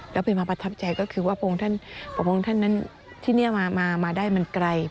แล้วเป็นมาประทับใจก็คือว่าพระองค์ท่านนั้นที่นี่มาได้มันไกล